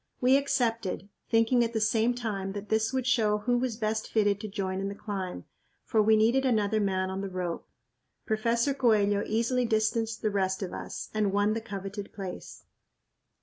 We accepted, thinking at the same time that this would show who was best fitted to join in the climb, for we needed another man on the rope. Professor Coello easily distanced the rest of us and won the coveted place.